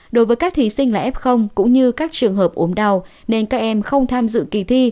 đối với các thí sinh là f cũng như các trường hợp ốm đau nên các em không tham dự kỳ thi